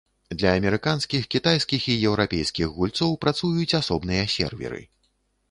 Для амерыканскіх, кітайскіх і еўрапейскіх гульцоў працуюць асобныя серверы.